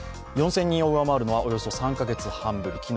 ４０００人を上回るのはおよそ３カ月半ぶり。